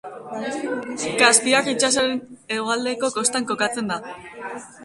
Kaspiar itsasoaren hegoaldeko kostan kokatzen da.